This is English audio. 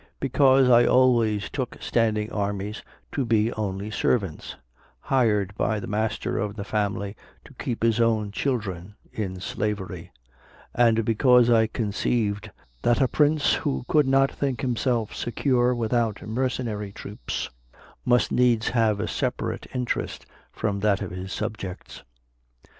Because I always took standing armies to be only servants, hired by the master of the family to keep his own children in slavery; and because I conceived that a prince who could not think himself secure without mercenary troops, must needs have a separate interest from that of his subjects.